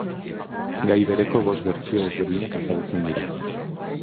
Gai bereko bost bertsio desberdinak ezagutzen dira.